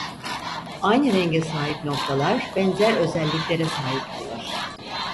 Aynı renge sahip noktalar benzer özelliklere sahiptirler.